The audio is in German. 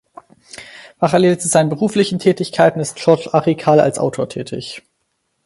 Parallel zu seinen beruflichen Tätigkeiten ist George Arickal als Autor tätig.